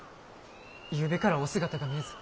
ゆうべからお姿が見えず。